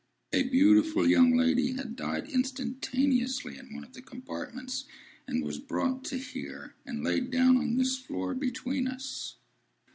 A beautiful young lady had died instantaneously in one of the compartments, and was brought in here, and laid down on this floor between us."